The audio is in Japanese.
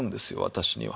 私には。